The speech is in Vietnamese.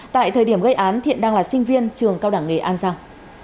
tại thời điểm gây án thiện đang là sinh viên trường cao đẳng nghề an giang